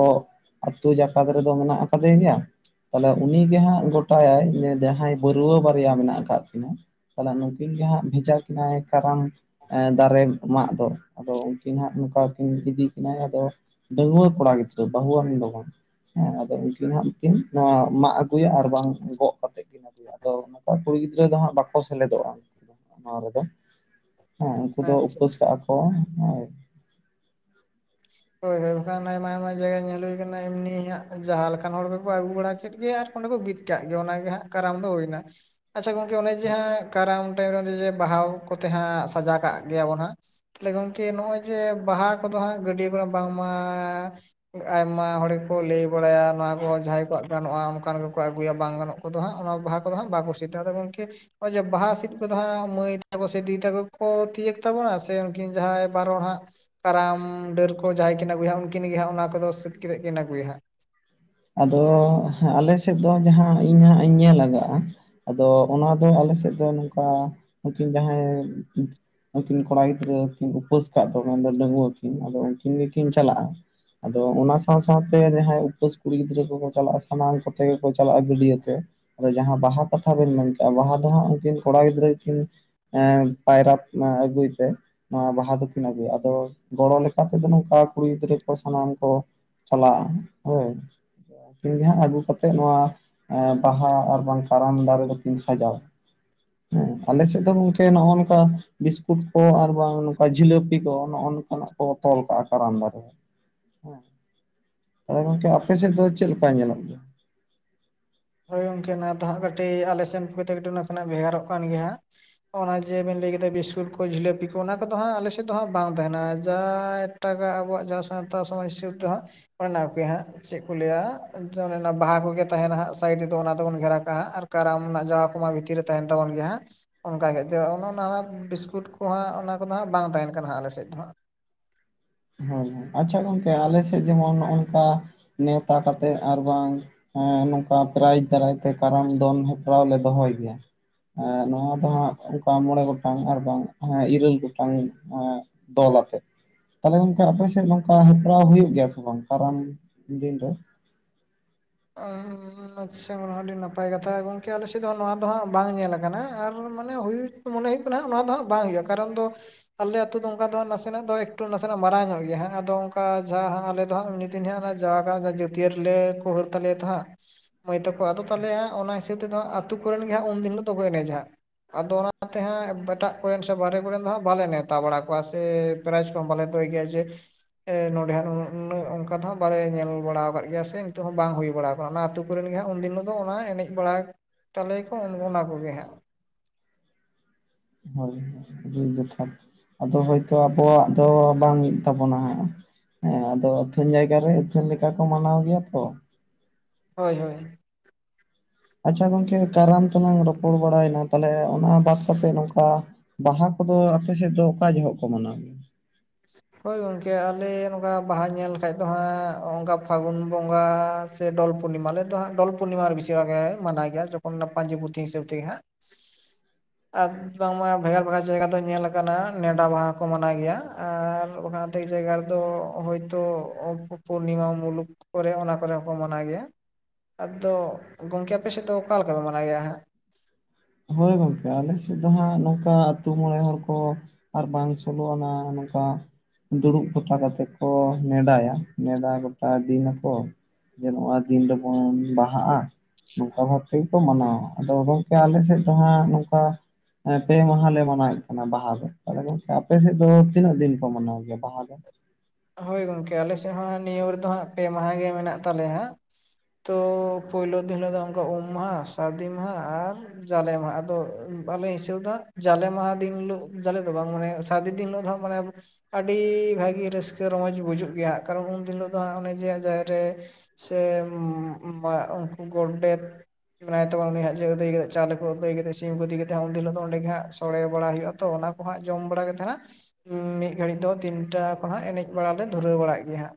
ᱟᱹᱛᱩ ᱡᱟᱠᱟᱛ ᱨᱮᱫᱚ ᱢᱮᱱᱟᱜ ᱟᱠᱟᱫᱮ ᱜᱮᱭᱟ, ᱛᱟᱦᱞᱮ ᱩᱱᱤ ᱜᱮ ᱦᱟᱸᱜ ᱜᱚᱴᱟᱭᱟᱭ ᱡᱟᱦᱟᱸᱭ ᱵᱟᱹᱨᱣᱟᱹ ᱵᱟᱨᱭᱟ ᱢᱮᱱᱟᱜ ᱟᱠᱟᱫ ᱛᱤᱱᱟᱹ, ᱛᱟᱦᱚᱞᱮ ᱱᱩᱠᱤᱱ ᱜᱮ ᱦᱟᱸᱜ ᱵᱷᱮᱡᱟ ᱠᱤᱱᱟᱹᱭ ᱠᱟᱨᱟᱢ ᱫᱟᱨᱮ ᱢᱟᱜ ᱫᱚ ᱟᱫᱚ ᱩᱱᱼᱼ ᱠᱤᱱ ᱦᱟᱸᱜ ᱱᱚᱝᱠᱟ ᱠᱤᱱ ᱤᱫᱤ ᱠᱤᱱᱟᱹ ᱟᱫᱚ ᱰᱟᱺᱜᱩᱣᱟᱹ ᱠᱚᱲᱟ ᱜᱤᱫᱽᱨᱟᱹ, ᱵᱟᱹᱦᱩᱣᱟᱱ ᱫᱚ ᱵᱟᱝ, ᱦᱮᱸ ᱟᱫᱚ ᱩᱱᱠᱤᱱ ᱦᱟᱸᱜ ᱠᱤᱱ ᱱᱚᱣᱟ ᱢᱟᱜ ᱟᱹᱜᱩᱭᱟ ᱟᱨ ᱵᱟᱝ ᱜᱚᱜ ᱠᱟᱛᱮ ᱠᱤᱱ ᱟᱹᱜᱩᱭᱟ᱾ ᱟᱫᱚ ᱱᱚᱠᱟ ᱠᱩᱲᱤ ᱜᱤᱫᱽᱨᱟᱹ ᱫᱚ ᱦᱟᱸᱜ ᱵᱟᱠᱚ ᱥᱮᱞᱮᱫᱚᱜᱼᱟ ᱱᱚᱣᱟ ᱨᱮᱫᱚ᱾ ᱦᱮᱸ ᱩᱱᱠᱩ ᱫᱚ ᱟᱪᱪᱷᱟ ᱩᱯᱟᱹᱥ ᱟᱪᱪᱷᱟ ᱠᱟᱜᱼᱟ ᱠᱚ ᱦᱮᱸ᱾ ᱦᱳᱭ ᱦᱳᱭ ᱵᱟᱠᱷᱟᱱ ᱟᱭᱢᱟ ᱟᱭᱢᱟ ᱡᱟᱭᱜᱟ ᱧᱮᱞ ᱦᱩᱭ ᱟᱠᱟᱱᱟ ᱮᱢᱱᱤ ᱦᱟᱜ ᱡᱟᱦᱟᱸ ᱞᱮᱠᱟᱱ ᱦᱚᱲ ᱜᱮᱠᱚ ᱟᱹᱜᱩ ᱵᱟᱲᱟ ᱠᱮᱫ ᱜᱮ ᱟᱨ ᱚᱸᱰᱮ ᱠᱚ ᱵᱤᱫ ᱠᱟᱜ ᱜᱮᱭᱟ ᱚᱱᱟ ᱜᱮ ᱦᱟᱸᱜ ᱠᱟᱨᱟᱢ ᱫᱚ ᱦᱩᱭᱱᱟ ᱾ ᱟᱪᱪᱷᱟ ᱜᱚᱝᱠᱮ ᱚᱱᱮ ᱡᱮ ᱦᱟᱸᱜ ᱠᱟᱨᱟᱢ ᱴᱟᱭᱤᱢ ᱨᱮ ᱚᱱᱮ ᱡᱮ ᱵᱟᱦᱟ ᱠᱚᱛᱮ ᱦᱟᱸᱜ ᱥᱟᱡᱟᱣ ᱠᱟᱜ ᱜᱮᱭᱟᱵᱚᱱ ᱦᱟᱸᱜ᱾ ᱛᱟᱦᱚᱞᱮ ᱜᱚᱝᱠᱮ ᱱᱚᱜᱼᱚᱭ ᱡᱮ ᱵᱟᱦᱟ ᱠᱚ ᱦᱟᱸᱜ ᱜᱟᱹᱰᱭᱟᱹ ᱵᱟᱝᱢᱟ ᱟᱭᱢᱟ ᱦᱚᱲ ᱠᱚ ᱞᱟᱹᱭ ᱵᱟᱲᱟᱭᱟ ᱱᱚᱣᱟ ᱠᱚᱦᱚᱸ ᱡᱟᱦᱟᱸᱭ ᱠᱚ ᱜᱟᱱᱚᱜᱼᱟ ᱚᱱᱠᱟᱱ ᱜᱮ ᱠᱚ ᱟᱹᱜᱩᱭᱟ ᱵᱟᱝ ᱜᱟᱱᱚᱜ ᱠᱚᱫᱚ ᱦᱟᱸᱜ ᱚᱱᱟ ᱵᱟᱦᱟ ᱠᱚᱫᱚ ᱦᱟᱸᱜ ᱵᱟᱠᱚ ᱥᱤᱛᱟᱹᱜ ᱦᱟᱸᱜ ᱜᱚᱝᱠᱮ ᱾ ᱱᱚᱜᱼᱚᱭ ᱡᱮ ᱵᱟᱦᱟ ᱥᱮᱫ ᱠᱚᱫᱚ ᱦᱟᱸᱜ ᱢᱟᱹᱭ ᱛᱟᱠᱚ ᱥᱮ ᱫᱤᱫᱤ ᱛᱟᱠᱚ ᱠᱚ ᱛᱤᱭᱳᱜ ᱛᱟᱵᱚᱱᱟ ᱥᱮ ᱩᱱᱠᱤᱱ ᱡᱟᱦᱟᱸᱭ ᱵᱟᱨ ᱦᱚᱲ ᱦᱟᱸᱜ᱾ ᱠᱟᱨᱟᱢ ᱰᱟᱹᱨ ᱠᱚ ᱡᱟᱦᱟᱸᱭ ᱠᱤᱱ ᱟᱹᱜᱩᱭᱟ ᱩᱱ ᱠᱤᱱ ᱜᱮ ᱦᱟᱸᱜ ᱚᱱᱟ ᱠᱚᱫᱚ ᱥᱤᱛ ᱠᱟᱛᱮ ᱠᱤᱱ ᱟᱹᱜᱩᱭᱟ ᱾ ᱟᱫᱚ ᱟᱞᱮ ᱥᱮᱫ ᱫᱚ ᱡᱟᱦᱟᱸ ᱤᱧ ᱦᱟᱸᱜ ᱤᱧ ᱧᱮᱞ ᱟᱠᱟᱜᱼᱟ ᱾ ᱟᱫᱚ ᱚᱱᱟ ᱫᱚ ᱟᱞᱮ ᱥᱮᱫ ᱫᱚ ᱱᱚᱝᱠᱟ ᱩᱱ ᱩᱠᱤᱱ ᱡᱟᱦᱟᱸᱭ ᱩᱱᱠᱤᱱ ᱠᱚᱲᱟ ᱜᱤᱫᱽᱨᱟᱹ ᱠᱤᱱ ᱩᱯᱟᱹᱥ ᱟᱠᱟᱫ ᱫᱚ ᱢᱮᱱᱫᱚ ᱰᱟᱺᱜᱩᱣᱟᱹ ᱠᱤᱱ ᱟᱫᱚ ᱩᱱᱠᱤᱱ ᱜᱮ ᱠᱤᱱ ᱪᱟᱞᱟᱜᱼᱟ ᱾ ᱟᱫᱚ ᱚᱱᱟ ᱥᱟᱶ ᱥᱟᱶᱛᱮ ᱡᱟᱦᱟᱸᱭ ᱩᱯᱟᱹᱥ ᱠᱩᱲᱤ ᱜᱤᱫᱽᱨᱟᱹ ᱠᱚᱠᱚ ᱪᱟᱞᱟᱜᱼᱟ ᱥᱟᱱᱟᱢ ᱠᱚᱛᱮ ᱜᱮᱠᱚ ᱪᱟᱞᱟᱜᱼᱟ ᱜᱟᱹᱰᱭᱟᱹ ᱛᱮ ᱾ ᱟᱫᱚ ᱡᱟᱦᱟᱸ ᱵᱟᱦᱟ ᱠᱟᱛᱷᱟ ᱵᱮᱱ ᱢᱮᱱ ᱠᱮᱜᱼᱟ, ᱵᱟᱦᱟ ᱫᱚ ᱦᱟᱸᱜ ᱩᱱᱠᱤᱱ ᱠᱚᱲᱟ ᱜᱤᱫᱽᱨᱟᱹ ᱠᱤᱱ ᱦᱮᱸ ᱯᱟᱭᱨᱟ ᱟᱹᱜᱩᱭ ᱛᱮ᱾ ᱱᱚᱣᱟ ᱵᱟᱦᱟ ᱫᱩᱠᱤᱱ ᱟᱜᱩᱭ ᱜᱮ ᱟᱫᱚ ᱜᱚᱲᱚ ᱞᱮᱠᱟ ᱛᱮᱫᱚ ᱱᱚᱝᱠᱟ ᱠᱩᱲᱤ ᱜᱤᱫᱽᱨᱟᱹ ᱠᱚ ᱥᱟᱱᱟᱢ ᱠᱚ᱾ ᱪᱟᱞᱟᱜᱼᱟ ᱾ᱦᱳᱭ ᱾ ᱩᱱ ᱫᱚ ᱦᱟᱸᱜ ᱟᱹᱜᱩ ᱠᱟᱛᱮ ᱱᱚᱣᱟ ᱮ ᱵᱟᱦᱟ ᱟᱨ ᱵᱟᱝ ᱠᱟᱨᱟᱢ ᱫᱟᱨᱮ ᱫᱚᱠᱤᱱ ᱥᱟᱡᱟᱣᱟ ᱾ ᱦᱮᱸ ᱟᱞᱮ ᱥᱮᱫ ᱫᱚ ᱜᱚᱝᱠᱮ ᱱᱚᱜᱼᱚᱭ ᱱᱚᱝᱠᱟ ᱵᱤᱥᱠᱩᱴ ᱠᱚ ᱟᱨ ᱵᱟᱝ ᱱᱚᱝᱠᱟ ᱡᱷᱤᱞᱟᱹᱯᱤ ᱠᱚ᱾ ᱱᱟᱜ ᱠᱚ ᱛᱚᱞ ᱠᱟᱜᱼᱟ, ᱠᱟᱨᱟᱢ ᱰᱟᱹᱨ ᱨᱮ ᱦᱮᱸ ᱛᱟᱦᱚᱞᱮ ᱜᱚᱝᱠᱮ ᱟᱯᱮ ᱥᱮᱫ ᱫᱚ ᱪᱮᱫ ᱞᱮᱠᱟ ᱧᱮᱞᱚᱜ ᱜᱮᱭᱟ? ᱦᱳᱭ ᱜᱚᱝᱠᱮ ᱚᱱᱟ ᱫᱚ ᱦᱟᱸᱜ ᱠᱟᱹᱴᱤᱡ ᱟᱞᱮ ᱥᱮᱱ ᱠᱚᱛᱮᱠᱴᱤ ᱱᱟᱥᱮᱱᱟᱜ ᱵᱮᱦᱟᱨᱚᱜ ᱠᱟᱱ ᱜᱮᱭᱟ ᱦᱟᱸᱜ ᱾ ᱚᱱᱟ ᱡᱮ ᱵᱮᱱ ᱞᱟᱹᱭ ᱠᱮᱫᱟ ᱵᱤᱥᱠᱩᱴ ᱠᱚ ᱡᱷᱤᱞᱟᱹᱯᱤ ᱠᱚ ᱚᱱᱟ ᱠᱚᱫᱚ ᱦᱟᱸᱜ ᱟᱞᱮ ᱥᱮᱫ ᱫᱚ ᱦᱟᱸᱜ ᱵᱟᱝ ᱛᱟᱦᱮᱱᱟ᱾ ᱡᱟ ᱮᱴᱟᱜ ᱟᱵᱚᱣᱟᱜ ᱡᱟᱦᱟᱸ ᱥᱟᱶᱛᱟ ᱥᱚᱢᱟᱡᱽ ᱦᱤᱥᱟᱹᱵ ᱛᱮ ᱦᱟᱸᱜ ᱚᱱᱮ ᱚᱱᱟ ᱠᱟᱜᱮ ᱦᱟᱸᱜ ᱪᱮᱫ ᱠᱚ ᱞᱟᱹᱭᱟ ᱚᱱᱮ ᱚᱱᱟ ᱵᱟᱦᱟ ᱠᱚᱜᱮ ᱛᱟᱦᱮᱱᱟ ᱦᱟᱸᱜ᱾ ᱥᱟᱭᱤᱰ ᱨᱮ ᱚᱱᱟ ᱫᱚᱵᱚᱱ ᱜᱷᱮᱨᱟ ᱠᱟᱜᱼᱟ ᱟᱨ ᱠᱟᱨᱟᱢ ᱨᱮᱱᱟᱜ ᱡᱟᱦᱟᱸ ᱠᱚ ᱢᱟ ᱵᱷᱤᱛᱤᱨ ᱨᱮ ᱛᱟᱦᱮᱱ ᱛᱟᱵᱚᱱ ᱜᱮᱭᱟ ᱦᱟᱸᱜ ᱾ ᱚᱱᱠᱟ ᱜᱮ ᱫᱚ ᱚᱱᱮ ᱚᱱᱟ ᱵᱤᱥᱠᱩᱴ ᱠᱚᱦᱟᱸᱜ ᱚᱱᱟ ᱠᱚᱫᱚ ᱦᱟᱸᱜ ᱵᱟᱝ ᱛᱟᱦᱮᱱ ᱠᱟᱱᱟ ᱦᱟᱸᱜ ᱟᱞᱮ ᱥᱮᱫ ᱫᱚ ᱦᱟᱸᱜ ᱾ ᱦᱳᱭ ᱦᱳᱭ ᱾ ᱟᱪᱪᱷᱟ ᱜᱚᱝᱠᱮ ᱟᱞᱮ ᱥᱮᱫ ᱡᱮᱢᱚᱱ ᱱᱚᱝᱠᱟ ᱱᱮᱣᱛᱟ ᱠᱟᱛᱮᱜ ᱟᱨ ᱵᱟᱝ ᱦᱮᱸ ᱱᱚᱝᱠᱟ ᱯᱨᱟᱭᱤᱡᱽ ᱫᱟᱨᱟᱭ ᱛᱮ ᱠᱟᱨᱟᱢ ᱫᱚᱱ ᱦᱮᱯᱨᱟᱹᱣ ᱞᱮ ᱫᱚᱦᱚᱭ ᱜᱮᱭᱟ ᱾ ᱱᱚᱣᱟ ᱫᱚ ᱦᱟᱸᱜ ᱚᱱᱠᱟ ᱢᱚᱬᱮ ᱜᱚᱴᱟᱝ ᱟᱨ ᱵᱟᱝ ᱤᱨᱟᱹᱞ ᱜᱚᱴᱟᱝ ᱫᱚᱞ ᱟᱛᱮ᱾ ᱛᱟᱦᱚᱞᱮ ᱜᱚᱝᱠᱮ ᱟᱯᱮ ᱥᱮᱫ ᱱᱚᱝᱠᱟ ᱦᱮᱯᱨᱟᱹᱣ ᱦᱩᱭᱩᱜ ᱜᱮᱭᱟ ᱥᱮ ᱵᱟᱝ ᱠᱟᱨᱟᱢ ᱫᱤᱱ ᱨᱮ? ᱚ ᱟᱪᱪᱷᱟ ᱦᱟᱸᱜ ᱟᱹᱰᱤ ᱱᱟᱯᱟᱭ ᱠᱟᱛᱷᱟ ᱜᱚᱝᱠᱮ ᱟᱞᱮ ᱥᱮᱫ ᱦᱟᱸᱜ ᱱᱚᱣᱟ ᱫᱚ ᱦᱟᱸᱜ ᱵᱟᱝ ᱧᱮᱞ ᱟᱠᱟᱱᱟᱱᱟ ᱟᱨ ᱢᱟᱱᱮ ᱦᱩᱭ ᱢᱚᱱᱮ ᱦᱩᱭᱩᱜ ᱠᱟᱱᱟ ᱚᱱᱟ ᱫᱚ ᱦᱟᱸᱜ ᱵᱟᱝ ᱦᱩᱭᱩᱜᱼᱟ᱾ ᱠᱟᱨᱚᱱ ᱫᱚ ᱟᱞᱮ ᱟᱹᱛᱩ ᱫᱚ ᱚᱱᱠᱟ ᱫᱚ ᱱᱟᱥᱮᱱᱟᱜ ᱫᱚ ᱮᱠᱴᱩ ᱱᱟᱥᱮᱱᱟᱜ ᱢᱟᱨᱟᱝ ᱧᱚᱜ ᱜᱮᱭᱟ ᱟᱫᱚ ᱚᱱᱠᱟ ᱡᱟᱦᱟᱸ ᱟᱞᱮ ᱫᱚ ᱦᱟᱸᱜ᱾ ᱤᱱᱟᱹ ᱦᱟᱸᱜ ᱚᱱᱟ ᱡᱟᱣᱭᱟ ᱠᱟᱨᱟᱢ ᱡᱟᱹᱛᱭᱟᱹᱨ ᱨᱮ ᱞᱮ ᱠᱚ ᱦᱩᱭᱩᱜ ᱛᱟᱞᱮᱭᱟ ᱛᱚ ᱦᱟᱸᱜ᱿ ᱢᱟᱹᱭ ᱛᱟᱠᱚ ᱟᱫᱚ ᱛᱟᱞᱮ ᱚᱱᱟ ᱦᱤᱥᱟᱹᱵ ᱛᱮ ᱫᱚ ᱦᱟᱸᱜ ᱟᱹᱛᱩ ᱠᱚᱨᱮᱱ ᱜᱮ ᱦᱟᱸᱜ ᱩᱱ ᱫᱤᱱ ᱦᱤᱞᱳ ᱫᱚ ᱠᱚ ᱮᱱᱮᱡᱟ ᱦᱟᱸᱜ᱾ ᱟᱫᱚ ᱚᱱᱟ ᱛᱮ ᱦᱟᱸᱜ ᱮᱴᱟᱜ ᱠᱚᱨᱮᱱ ᱥᱮ ᱵᱟᱨᱦᱮ ᱠᱚᱨᱮᱱ ᱫᱚ ᱦᱟᱸᱜ ᱵᱟᱞᱮ ᱱᱮᱣᱛᱟ ᱵᱟᱲᱟ ᱠᱚᱣᱟ ᱥᱮ ᱯᱨᱟᱭᱤᱡᱽ ᱠᱚᱦᱚ ᱵᱟᱞᱮ ᱫᱚᱦᱚᱭ ᱜᱮᱭᱟᱮ ᱡᱮ ᱱᱚᱰᱮ ᱦᱚᱸ ᱱᱚᱜ ᱚᱱᱠᱟ ᱫᱚ ᱵᱟᱞᱮ ᱧᱮᱞ ᱵᱟᱲᱟ ᱟᱠᱟᱫ ᱜᱮᱭᱟ ᱥᱮ ᱱᱤᱛ ᱵᱟᱝ ᱦᱩᱭ ᱵᱟᱲᱟ ᱟᱠᱟᱱᱟ ᱚᱱᱟ ᱟᱹᱛᱩ ᱠᱚᱨᱮᱱ ᱜᱮ ᱦᱟᱸᱜ ᱩᱱ ᱫᱤᱱ ᱦᱤᱞᱳ ᱫᱚ ᱚᱱᱟ ᱮᱱᱮᱡ ᱵᱟᱲᱟ ᱛᱟᱞᱮᱭᱟᱠᱚ ᱚᱱᱟ ᱠᱚᱜᱮ ᱦᱟᱸᱜ ᱾ ᱦᱳᱭ ᱟᱹᱰᱤ ᱡᱚᱛᱷᱟᱛ ᱟᱫᱚ ᱦᱳᱭ ᱛᱳ ᱟᱵᱚᱣᱟᱜ ᱫᱚ ᱵᱟᱝ ᱢᱤᱫ ᱛᱟᱵᱚᱱᱟ ᱦᱟᱸᱜ ᱦᱮᱸ ᱟᱫᱚ ᱟᱹᱛᱷᱟᱹᱱ ᱡᱟᱭᱜᱟ ᱨᱮ ᱟᱹᱛᱷᱟᱹᱱ ᱞᱮᱠᱟ ᱠᱚ ᱢᱟᱱᱟᱣ ᱜᱮᱭᱟ ᱛᱚ ᱾ ᱦᱳᱭ ᱦᱳᱭ ᱾ ᱟᱪᱪᱷᱟ ᱜᱚᱝᱠᱮ ᱠᱟᱨᱟᱢ ᱛᱚᱞᱟᱝ ᱨᱚᱯᱚᱲ ᱵᱟᱲᱟᱭᱮᱱᱟ ᱛᱟᱦᱚᱞᱮ ᱚᱱᱟ ᱵᱟᱫ ᱠᱟᱛᱮ ᱱᱚᱝᱠᱟ ᱵᱟᱦᱟ ᱠᱚᱫᱚ ᱟᱯᱮ ᱥᱮᱫ ᱫᱚ ᱚᱠᱟ ᱡᱚᱦᱚᱜ ᱠᱚ ᱢᱟᱱᱟᱣ ᱜᱮᱭᱟ? ᱦᱳᱭ ᱜᱚᱢᱠᱮ ᱟᱞᱮ ᱱᱚᱝᱠᱟ ᱵᱟᱦᱟ ᱧᱮᱞ ᱞᱮᱠᱷᱟᱡ ᱫᱚ ᱦᱟᱸᱜ ᱚᱱᱠᱟ ᱯᱷᱟᱹᱜᱩᱱ ᱵᱚᱸᱜᱟ ᱥᱮ ᱰᱚᱞ ᱯᱩᱱᱱᱤᱢᱟ ᱟᱞᱮ ᱫᱚ ᱦᱟᱸᱜ ᱰᱚᱞ ᱯᱩᱱᱱᱤᱢᱟ ᱨᱮ ᱵᱤᱥᱤᱨ ᱵᱷᱟᱜᱽ ᱢᱟᱱᱟᱣ ᱜᱮᱭᱟ ᱡᱚᱠᱷᱚᱱ ᱚᱱᱟ ᱯᱟᱧᱡᱤ ᱯᱩᱛᱷᱤ ᱦᱤᱥᱟᱹᱵᱽ ᱛᱮ ᱜᱮ ᱦᱟᱸᱜ ᱾ [inaudible] ᱟᱫ- ᱫᱚᱢᱟ ᱵᱷᱮᱜᱟᱨ ᱵᱷᱮᱜᱟᱨ ᱡᱟᱭᱜᱟ ᱫᱚ ᱧᱮᱞ ᱟᱠᱟᱱᱟ, ᱱᱮᱰᱟ ᱢᱟᱦᱟ ᱠᱚ ᱢᱟᱱᱟᱣ ᱜᱮᱭᱟ ᱾ ᱟᱨ ᱚᱱᱟᱼᱛᱮᱷ ᱡᱟᱭᱜᱟ ᱨᱮ ᱫᱚ ᱦᱳᱭᱛᱚ ᱯᱩᱨᱱᱤᱢᱟ ᱢᱩᱞᱩᱠ ᱠᱚᱨᱮ ᱚᱱᱟ ᱠᱚᱨᱮ ᱦᱚᱸᱠᱚ ᱢᱟᱱᱟᱣ ᱜᱮᱭᱟ ᱾ ᱟᱫᱚ ᱜᱚᱢᱠᱮ ᱟᱯᱮ ᱥᱮᱫ ᱫᱚ ᱚᱠᱟ ᱞᱮᱠᱟ ᱯᱮ ᱢᱟᱱᱟᱣ ᱜᱮᱭᱟ ᱦᱟᱸᱜ? ᱦᱳᱭ ᱜᱚᱝᱠᱮ ᱟᱞᱮ ᱥᱮᱫ ᱫᱚ ᱦᱟᱸᱜ ᱱᱚᱝᱠᱟ ᱟᱹᱛᱩ ᱢᱚᱬᱮ ᱦᱚᱲ ᱠᱚ ᱟᱨ ᱵᱟᱝ ᱥᱳᱞᱳ ᱟᱱᱟ ᱱᱚᱝᱠᱟ‌ ᱫᱩᱲᱩᱵ ᱜᱚᱴᱟ ᱠᱟᱛᱮᱜ ᱠᱚ ᱱᱮᱰᱟᱭᱟ, ᱱᱮᱰᱟ ᱜᱚᱴᱟ ᱫᱤᱱ ᱟᱠᱠᱚ ᱾ ᱡᱮ ᱱᱚᱣᱟ ᱫᱤᱱ ᱨᱮᱵᱚᱱ ᱵᱟᱦᱟᱜᱼᱟ, ᱱᱚᱝᱠᱟ ᱵᱷᱟᱵ ᱛᱮ ᱜᱮ ᱠᱚ ᱢᱟᱱᱟᱣᱟ, ᱟᱫᱚ ᱜᱚᱝᱠᱮ ᱟᱞᱮ ᱥᱮᱫ ᱫᱚ ᱱᱚᱝᱠᱟ ᱯᱮ ᱢᱟᱦᱟᱞᱮ ᱢᱟᱱᱟᱣᱮᱫ ᱠᱟᱱᱟ ᱵᱟᱦᱟ ᱫᱚ ᱟᱫᱚ ᱜᱚᱝᱠᱮ ᱟᱯᱮ ᱥᱮᱫ ᱫᱚ, ᱛᱤᱱᱟᱹᱜ ᱫᱤᱱ ᱠᱚ ᱢᱟᱱᱟᱣ ᱜᱮᱭᱟ ᱵᱟᱦᱟ ᱫᱚ? ᱦᱳᱭ ᱜᱚᱝᱠᱮ ᱟᱞᱮ ᱥᱮᱫ ᱦᱚᱸ ᱱᱤᱭᱟᱹ ᱨᱮᱫᱚ ᱦᱟᱸᱜ ᱯᱮ ᱢᱟᱦᱟ ᱜᱮ ᱢᱮᱱᱟᱜ ᱛᱟᱞᱮᱭᱟ ᱦᱟᱸᱜ ᱾ ᱛᱚ ᱯᱳᱭᱞᱩ ᱫᱤᱱ ᱦᱤᱞᱳᱜ ᱫᱚ ᱚᱱᱠᱟ ᱩᱸᱢ ᱢᱟᱦᱟ, ᱥᱟᱹᱨᱫᱤ ᱢᱟᱦᱟ, ᱟᱨ ᱡᱟᱞᱮ ᱢᱟᱦᱟ ᱟᱫᱚ ᱵᱟᱞᱮ ᱦᱤᱥᱟᱹᱣ ᱮᱫᱟ ᱡᱟᱞᱮ ᱢᱟᱦᱟ ᱫᱤᱱ ᱦᱤᱞᱳᱜ ᱡᱟᱞᱮ ᱫᱚ ᱵᱟᱝ ᱢᱟᱱᱮ ᱥᱟᱫᱤ ᱫᱤᱱ ᱦᱤᱞᱳᱜ ᱫᱚ ᱢᱟᱱᱮ ᱟᱹᱰᱤ ᱵᱷᱟᱜᱤ ᱨᱟᱹᱥᱠ ᱠᱟᱹ ᱨᱚᱢᱚᱡᱽ ᱵᱩᱡᱩᱜ ᱜᱮᱭᱟᱜ ᱠᱟᱨᱱ ᱩᱱ ᱦᱤᱞᱳᱜ ᱫᱚ ᱦᱟᱸᱜ ᱚᱱᱮ ᱡᱮ ᱡᱟᱦᱮᱨ ᱨᱮ, ᱥᱮ ᱩᱸᱢᱻᱟ ᱩᱱᱠᱩ ᱜᱚᱰᱮᱛ ᱢᱮᱱᱟᱭ ᱛᱟᱵᱚᱱ ᱩᱱᱤ ᱦᱟᱸᱜ ᱡᱮ ᱟᱹᱫᱟᱹᱭ ᱠᱟᱛᱮ, ᱪᱟᱣᱞᱮ ᱠᱚ ᱟᱹᱫᱟᱹᱭ ᱠᱟᱛᱮ, ᱥᱤᱢ ᱠᱚ ᱤᱫᱤ ᱠᱟᱛᱮ ᱩᱱ ᱦᱤᱞᱳᱜ ᱫᱚ ᱚᱸᱰᱮ ᱜᱮ ᱦᱟᱸᱜ ᱥᱚᱲᱮ ᱵᱟᱲᱟ ᱦᱩᱭᱩᱜ-ᱟ ᱛᱚ ᱚᱱᱟᱼᱼ ᱦᱳᱼᱟ ᱡᱚᱢ ᱵᱟᱲᱟ ᱜᱮᱛ ᱛᱟᱦᱮᱱᱟ ᱢᱤᱫ ᱜᱷᱟᱹᱲᱤᱡ ᱫᱚ ᱛᱤᱱᱴᱟ ᱠᱷᱚᱱ ᱦᱟᱜ ᱮᱱᱮᱡ ᱵᱟᱲᱟ ᱞᱮ ᱫᱷᱩᱨᱟᱹᱣ ᱵᱟᱲᱟᱜ ᱜᱮᱭᱟ ᱦᱟᱸᱜ᱾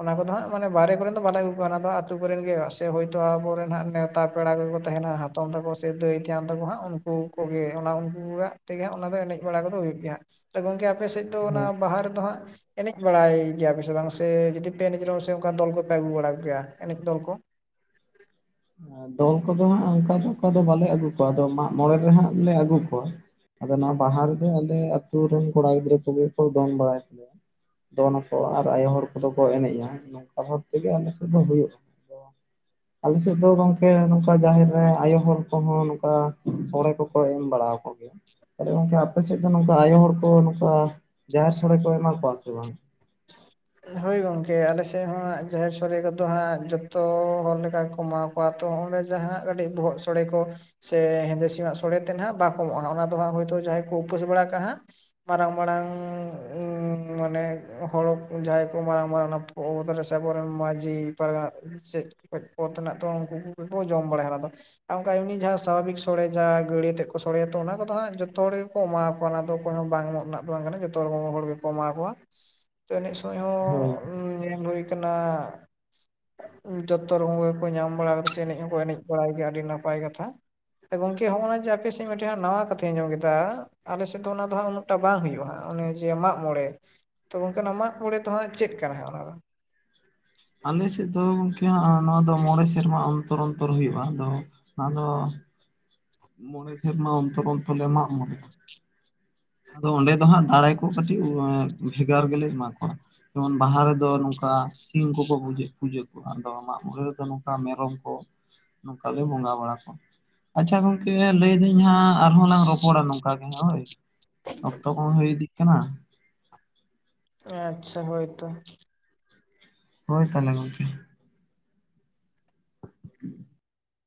ᱚᱱᱟ ᱠᱚᱫᱚ ᱦᱟᱸᱜ ᱢᱟᱱᱮ ᱵᱟᱨᱮ ᱠᱚᱨᱮᱱ ᱫᱚ ᱵᱟᱞᱮ ᱟᱹᱜᱩ ᱠᱚᱣᱟ ᱚᱱᱟ ᱫᱚ ᱟᱹᱛᱩ ᱠᱚᱨᱮᱱ ᱜᱮ ᱥᱮ ᱦᱳᱭᱛᱳ ᱟᱵᱚᱨᱮᱱ ᱦᱟᱸᱜ ᱱᱮᱣᱛ ᱛᱟ ᱯᱮᱲᱟ ᱠᱚᱠᱚ ᱛᱟᱦᱮᱸᱱᱟ ᱦᱟᱯ ᱛᱚᱢ ᱛᱟᱹᱠᱚ ᱥᱮ ᱫᱟᱹᱭ ᱛᱮᱭᱟᱝ ᱛᱟᱠᱚ ᱦᱟᱸᱜ ᱩᱱᱠᱩ ᱠᱚ ᱜᱮ ᱚᱱᱟ ᱩᱱᱠᱩᱣᱟᱜ ᱛᱮᱜᱮ ᱦᱟᱸᱜ ᱚᱱᱟ ᱫᱚ ᱮᱱᱮᱡ ᱵᱟᱲᱟ ᱠᱚᱫᱚ ᱦᱩᱭᱩᱜ ᱜᱮᱭᱟᱼᱟ᱾ ᱜᱚᱢᱠᱮ ᱟᱯᱮ ᱥᱮᱫ ᱫᱚ ᱦᱳᱭ ᱚᱱᱟ ᱵᱟᱦᱟ ᱨᱮ ᱫᱚ ᱦᱟᱸᱜ ᱮᱱᱮᱡ ᱵᱟᱲᱟᱭ ᱜᱮᱭᱟᱭᱯᱮ ᱥᱮ ᱵᱟᱝ ᱥᱮ ᱡᱩᱫᱤ ᱯᱮ ᱮᱱᱮᱡ ᱨᱮᱦᱚᱸ ᱥᱮ ᱚᱱᱠᱟ ᱫᱚᱞ ᱠᱚᱯᱮ ᱜᱩ ᱵᱟᱲᱟ ᱠᱮᱭᱟ ᱮᱱᱮᱡ ᱫᱚᱞ ᱠᱚ ᱫᱚᱞ ᱠᱚᱫᱚ ᱦᱟᱸᱜ ᱚᱱᱠᱟ ᱫᱚ ᱚᱱᱠᱟ ᱫᱚ ᱵᱟᱞᱮ ᱟᱹᱜᱩ ᱠᱚᱣᱟ ᱢᱟᱜ ᱢᱚᱬᱮ ᱨᱮᱦᱟᱸᱜ ᱞᱮ ᱟᱹᱜᱩ ᱠᱚᱣᱟ, ᱟᱫᱚ ᱱᱚᱣᱟ ᱵᱟᱦᱟ ᱜᱮ ᱟᱞᱮ ᱟᱹᱛᱩ ᱨᱮᱱ ᱠᱚᱲᱟ ᱜᱤᱫᱽᱨᱟᱹ ᱠᱚᱜᱮ ᱠᱚ ᱫᱚᱱ ᱵᱟᱲᱟᱭᱼᱮᱫ, ᱫᱚᱱᱟᱠᱚ ᱟᱨ ᱟᱭᱳ ᱦᱚᱲ ᱠᱚᱫᱚ ᱠᱚ ᱮᱱᱮᱡᱼᱟ, ᱱᱚᱝᱠᱟ ᱵᱷᱟᱵ ᱛᱮᱜᱮ ᱟᱞᱮ ᱥᱮᱫ ᱫᱚ ᱦᱩᱭᱩᱜ ᱪᱮᱫ ᱫᱚ ᱜᱚᱝᱠᱮ ᱱᱚᱝᱠᱟ ᱡᱟᱦᱮᱨ ᱨᱮ ᱟᱭᱳ ᱦᱚᱲ ᱠᱚᱦᱚᱸ ᱱᱚᱝᱠᱟ ᱥᱚᱲᱮ ᱠᱚᱻᱠᱚ ᱮᱢ ᱵᱟᱲᱟ ᱠᱚᱜ ᱜᱮᱭᱟ ᱾ ᱠᱟᱹᱴᱤ ᱜᱚᱝᱠᱮ ᱟᱯᱮ ᱥᱮᱫ ᱫᱚ ᱱᱚᱝᱠᱟ ᱟᱭᱳ ᱦᱚᱲ ᱠᱚ ᱱᱚᱝᱠᱟ ᱡᱟᱦᱮᱨ ᱥᱳᱲᱮ ᱠᱚ ᱮᱢᱟ ᱠᱚᱣᱟ ᱥᱮ ᱵᱟᱝ? ᱦᱳᱭ ᱜᱚᱝᱠᱮ ᱟᱞᱮ ᱥᱮᱫ ᱦᱚᱸᱼᱟ ᱡᱟᱦᱮᱨ ᱥᱚᱨᱮ ᱠᱚᱫᱚ ᱦᱟᱸᱜ ᱡᱚᱛᱚ ᱦᱚᱲ ᱞᱮᱠᱟ ᱠᱚᱢᱟᱣᱠ ᱠᱚᱼᱟ ᱛᱚ ᱚᱸᱰᱮ ᱡᱟᱦᱟᱸ ᱠᱟᱹᱴᱤᱡ ᱵᱚᱦᱚᱜ ᱥᱳᱲᱮ ᱠᱚ ᱥᱮ ᱦᱮᱸᱫᱮ ᱥᱤᱢᱟᱜ ᱥᱚᱲᱮ ᱛᱮ ᱦᱟᱸᱜ ᱵᱟᱻᱠᱚ ᱢᱚᱜᱼᱟ ᱚᱱᱟ ᱫᱚ ᱦᱟᱸᱜ ᱦᱳᱭᱛᱳ ᱡᱟᱦᱟᱸᱭ ᱠᱚ ᱩᱯᱟᱹᱥ ᱵᱟᱲᱟ ᱠᱟᱜ ᱦᱟᱸᱜ, ᱢᱟᱨᱟᱝ ᱢᱟᱱᱮᱝᱻ ᱢᱟᱱᱮ ᱦᱚᱲᱠ ᱡᱟᱦᱟᱭ ᱠᱩ ᱢᱟᱨᱟᱝ ᱢᱟᱨᱟᱜ ᱚᱱᱟ ᱠᱚ ᱥᱟᱹᱜᱩᱱ ᱨᱮᱱ ᱢᱟᱹᱡᱷᱤ, ᱯᱟᱨᱜᱟ ᱪᱮᱫ ᱯᱚᱛᱱᱟᱜ ᱛᱚ ᱩᱱᱠᱩ ᱠᱩᱜᱮ ᱠᱚ ᱡᱚᱢ ᱵᱟᱲᱟᱭ ᱚᱱᱟ ᱫᱚ ᱾ ᱟᱨ ᱚᱱᱠᱟ ᱩᱱᱤ ᱡᱟᱦᱟᱸ ᱥᱟᱵᱷᱟᱵᱤᱠ ᱥᱚᱲᱮ ᱡᱟᱦᱟᱸ ᱜᱟᱹᱲᱤᱭ ᱛᱮ ᱠᱚ ᱥᱚᱲᱮᱭᱟ, ᱛᱚ ᱚᱱᱟ ᱠᱚᱫᱚ ᱦᱟᱸᱜ ᱡᱚᱛᱚ ᱦᱚᱲ ᱮᱢᱟ ᱠᱚᱣᱟ ᱚᱱᱟ ᱫᱚ ᱚᱠᱚᱭ ᱦᱚᱸ ᱵᱟᱝ ᱮᱢᱚᱜ ᱨᱮᱱᱟᱜ ᱫᱚ ᱵᱟᱝ ᱠᱟᱱᱟ ᱡᱚᱛᱚ ᱨᱚᱠᱢ ᱦᱚᱲ ᱜᱮᱠᱚ ᱮᱢᱟ ᱠᱚᱣᱟ ᱾ ᱮᱱᱮᱡ ᱥᱚᱢᱭ ᱦᱚᱸ ᱦᱳᱭ ᱦᱟᱢ ᱧᱮᱞ ᱦᱳᱭ ᱠᱟᱱᱟ ᱾ ᱡᱚᱛᱚ ᱨᱳᱠᱳᱢ ᱹᱜᱮᱠᱚ ᱧᱟᱢ ᱵᱟᱲᱟ ᱠᱟᱫᱟ ᱥᱮ ᱮᱱᱮᱡ ᱦᱚᱸᱠᱚ ᱮᱱᱮᱡ ᱵᱟᱲᱟᱭ ᱜᱮᱭᱟ ᱟᱹᱰᱤ ᱱᱟᱯᱟᱭ ᱠᱟᱛᱷᱟ ᱾ ᱜᱚᱝᱠᱮ ᱦᱚᱜᱼᱚᱭ ᱡᱮ ᱟᱯᱮ ᱥᱮᱫ ᱢᱤᱫ ᱴᱮᱡ ᱱᱟᱣᱟ ᱠᱟᱛᱷᱟᱧ ᱟᱸᱡᱚᱢ ᱠᱮᱫᱟ ᱾ ᱟᱞᱮ ᱥᱮᱫ ᱫᱚ ᱚᱱᱟ ᱫᱚ ᱦᱟᱸᱜ ᱩᱱᱟᱹᱜᱼᱴᱟ ᱵᱟᱝ ᱦᱩᱭᱩᱜᱼᱟ, ᱚᱱᱮ ᱡᱮ ᱢᱟᱜ ᱢᱚᱬᱮ, ᱠᱟᱱᱟ ᱢᱟᱜ ᱢᱚᱬᱮ ᱫᱚᱦᱟᱜ ᱪᱮᱫ ᱠᱟᱱᱟ ᱚᱱᱟ ᱫᱚ? ᱟᱞᱮ ᱥᱮᱫ ᱫᱚ ᱜᱚᱢᱠᱮ ᱦᱟᱜ ᱱᱚᱣᱟ ᱫᱚ ᱢᱚᱬᱮ ᱥᱮᱨᱢᱟ ᱚᱱᱛᱚᱨ ᱚᱱᱛᱚᱨ ᱦᱩᱭᱩᱜᱼᱟ ᱟᱫᱚ, ᱟᱫᱚ ᱢᱚᱬᱮ ᱥᱮᱨᱢᱟ ᱚᱱᱛᱚᱨ ᱚᱱᱛᱚᱨ ᱢᱟᱜ ᱢᱚᱬᱮ, ᱟᱫᱚ ᱚᱸᱰᱮ ᱫᱚ ᱦᱟᱸᱜ ᱫᱟᱲᱮ ᱠᱚ ᱠᱟᱹᱴᱤᱡ ᱳᱸᱻᱟᱹ ᱵᱷᱮᱜᱟᱨ ᱜᱮ ᱞᱮ ᱮᱢᱟ ᱠᱚᱣᱟ ᱾ ᱡᱮᱢᱚᱱ ᱵᱟᱦᱟ ᱨᱮ ᱫᱚ ᱱᱚᱝᱠᱟ ᱥᱤᱢ ᱠᱚᱻᱠᱚ ᱜᱩᱡᱮᱫ ᱯᱩᱡᱟᱹ ᱠᱚᱣᱟ ᱟᱫᱚ ᱢᱟᱜ ᱢᱚᱬᱮ ᱨᱮᱫᱚ ᱱᱚᱝᱠᱟ ᱢᱮᱨᱚᱢ ᱠᱚ ᱱᱚᱝᱠᱟ ᱜᱮ ᱵᱚᱸᱜᱟ ᱵᱟᱲᱟ ᱠᱚᱣᱟ ᱾ ᱟᱪᱪᱷᱟ ᱜᱚᱝᱠᱮ ᱞᱟᱹᱭᱫᱟᱹᱧ ᱦᱟᱸᱜ ᱟᱨᱦᱚᱸ ᱞᱟᱝ ᱨᱚᱯᱚᱲᱟ ᱱᱚᱝᱠᱟ ᱜᱮ ᱦᱟᱸᱜ ᱦᱳᱭ? ᱚᱠᱛᱚ ᱠᱚᱦᱚ ᱦᱩᱭ ᱤᱫᱤᱜ ᱠᱟᱱᱟ᱾ ᱟᱪᱪᱷᱟ ᱦᱳᱭᱛᱚ᱾ ᱦᱳᱭ ᱛᱟᱞᱦᱮ ᱜᱚᱝᱠᱮ